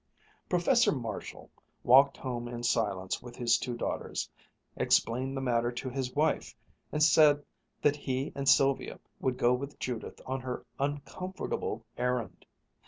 Professor Marshall walked home in silence with his two daughters, explained the matter to his wife, and said that he and Sylvia would go with Judith on her uncomfortable errand.